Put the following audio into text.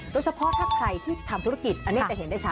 โดยเฉพาะถ้าใครที่ทำธุรกิจอันนี้จะเห็นได้ชัด